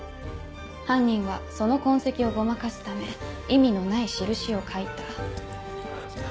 犯人はその痕跡をごまかすため意味のない印を描いた。